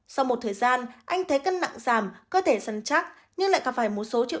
sau một thời gian anh thấy cân nặng giảm cơ thể săn chắc nhưng lại có vài mối số triệu